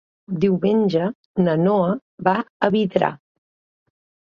Diumenge na Noa va a Vidrà.